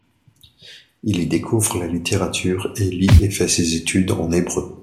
Il y découvre la littérature et lit et fait ses études en hébreu.